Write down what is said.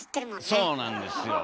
そうなんですよ。